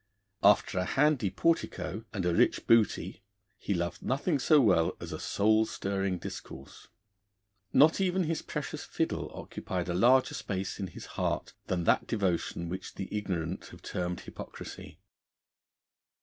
After a handy portico and a rich booty he loved nothing so well as a soul stirring discourse. Not even his precious fiddle occupied a larger space in his heart than that devotion which the ignorant have termed hypocrisy.